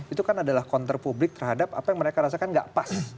itu kan adalah counter publik terhadap apa yang mereka rasakan nggak pas